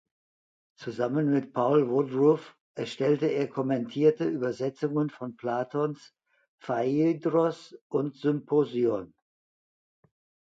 Zusammen mit Paul Woodruff erstellte er kommentierte Übersetzungen von Platons "Phaidros" und "Symposion".